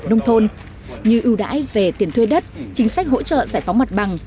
như ưu đãi về tiền thuê đất chính sách hỗ trợ giải phóng mặt bằng